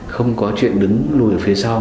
không có chuyện đứng lùi phía sau